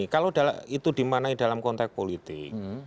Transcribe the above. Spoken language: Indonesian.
kalau itu dimanai dalam konteks politik